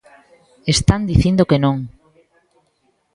Están dicindo que non.